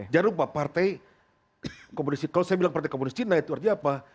jangan lupa partai komunisi kalau saya bilang partai komunis cina itu artinya apa